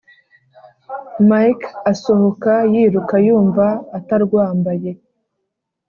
mike asohoka yiruka yumva atarwambaye